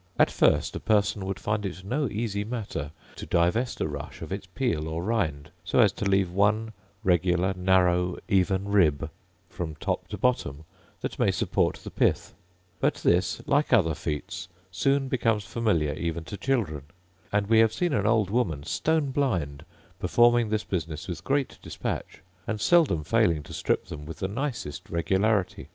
At first a person would find it no easy matter to divest a rush of its peel or rind, so as to leave one regular, narrow, even rib from top to bottom that may support the pith: but this, like other feats, soon becomes familiar even to children; and we have seen an old woman, stone blind, performing this business with great dispatch, and seldom failing to strip them with the nicest regularity.